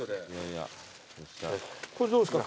これどうですか？